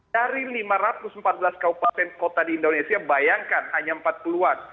dari lima ratus empat belas kabupaten kota di indonesia bayangkan hanya empat puluh an